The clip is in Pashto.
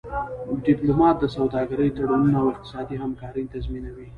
ډيپلومات د سوداګری تړونونه او اقتصادي همکاری تنظیموي.